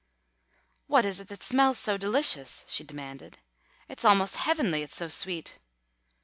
"What is it that smells so delicious?" she demanded. "It's almost heavenly, it's so sweet."